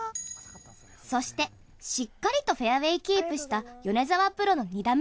そしてしっかりとフェアウェイキープした米澤プロの２打目。